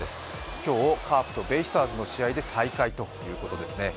今日、カープとベイスターズの試合で再開ということですね。